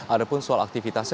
ada pun soal aktivitasnya